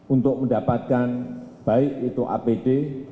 untuk mendapatkan baik itu apd